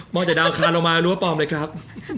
มองจะดาวน์ค้าลงมารู้ว่าปลอมเลยครับ